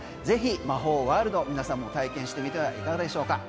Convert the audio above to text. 魔法ワールドは体験してみてはいかがでしょうか？